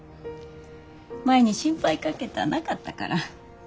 舞に心配かけたなかったから。